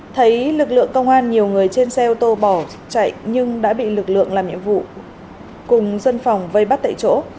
thấy lực lượng công an nhiều người trên xe ô tô bỏ chạy nhưng đã bị lực lượng làm nhiệm vụ cùng dân phòng vây bắt tại chỗ